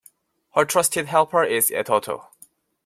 Her trusted helper is Eototo.